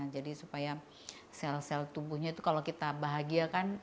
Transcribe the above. jadi supaya sel sel tubuhnya itu kalau kita bahagiakan